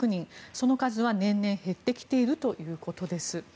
その数は年々減ってきているということです。